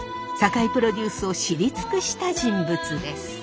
酒井プロデュースを知り尽くした人物です。